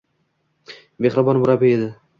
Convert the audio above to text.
Mehribon murabbiy edi